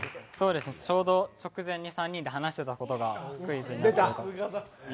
ちょうど直前に３人で話していたことがクイズに出たので。